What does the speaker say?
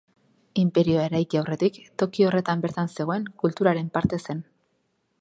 Inperioa eraiki aurretik toki horretan bertan zegoen kulturaren parte zen.